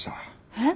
えっ？